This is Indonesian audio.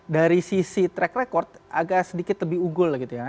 dari sisi track record agak sedikit lebih unggul gitu ya